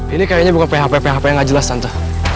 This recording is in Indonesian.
ini kayaknya bukan php php yang gak jelas tante